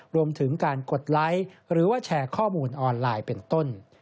รวมถึงการกดไลค์หรือว่าแชร์ข้อมูลออนไลน์เป็นต้น